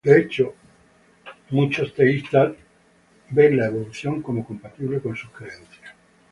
De hecho, muchos teístas ven la evolución como compatible con sus creencias.